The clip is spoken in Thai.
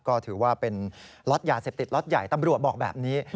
ก็ถือว่าเป็นล็อตยาเสพติดล็อตใหญ่ตำรวจบอกแบบนี้